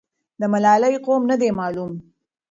د ملالۍ قوم نه دی معلوم.